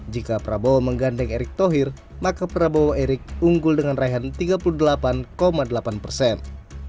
jika prabowo menggandeng erick thohir maka prabowo erik unggul dengan raihan tiga puluh delapan delapan persen